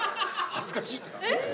恥ずかしっ！